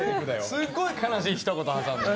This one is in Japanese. すっごい悲しいひと言はさんで。